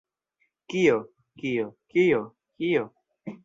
Kio? Kio, kio? Kio?